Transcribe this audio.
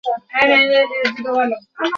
তিনি বস্তু সম্পর্কে এক নতুন ধারণা দেন।